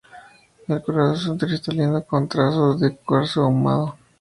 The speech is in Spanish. Es cuarzo cristalino, con trazos de cuarzo ahumado.